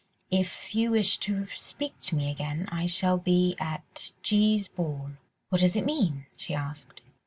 If you wish to speak to me again, I shall be at G.'s ball.'" "What does it mean?" she asked.